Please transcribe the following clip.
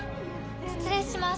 失礼します。